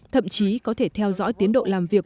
thậm chí có thể theo dõi tiến độ làm việc